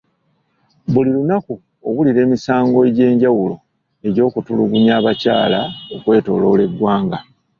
Buli lunaku owulira emisango egy'enjawulo egy'okutulugunya abakyala okwetooloola eggwanga.